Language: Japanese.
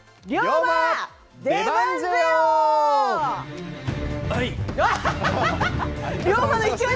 はい。